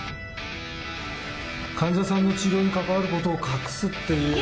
患者さんの治療にかかわる事を隠すっていうのは。